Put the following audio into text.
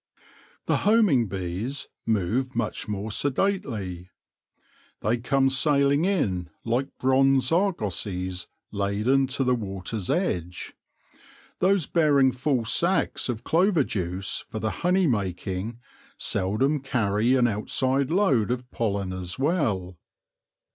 The homing bees move much more sedately. They come sailing in like bronze argosies laden to the water's edge. Those bearing full sacs of clover juice for the honey making seldom carry an outside load of pollen as well.